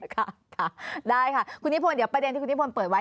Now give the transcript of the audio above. ค่ะได้ค่ะคุณญี่ปนเดี๋ยวประเด็นที่คุณญี่ปนเปิดไว้